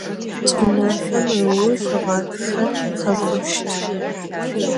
Ç'ımafem ıujj ğatxer khek'oşt.